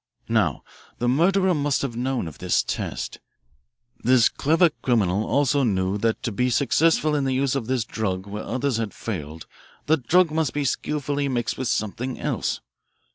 "Now, the murderer must have known of this test. This clever criminal also knew that to be successful in the use of this drug where others had failed, the drug must be skilfully mixed with something else.